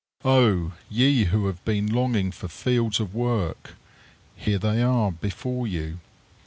Oh! ye who have been longing for fields of work, here they are before you.